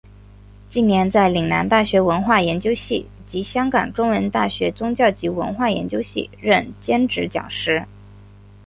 近年在岭南大学文化研究系及香港中文大学宗教及文化研究系任兼职讲师。